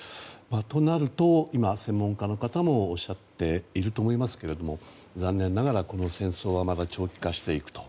となると、専門家の方もおっしゃっていると思いますが残念ながら、この戦争はまだ長期化していくと。